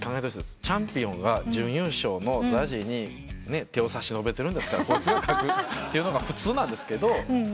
チャンピオンが準優勝のＺＡＺＹに手を差し伸べてるんですからこいつが書くっていうのが普通なんですけど。